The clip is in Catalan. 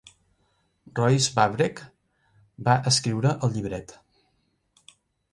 Royce Vavrek va escriure el llibret.